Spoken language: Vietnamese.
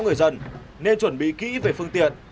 người dân nên chuẩn bị kỹ về phương tiện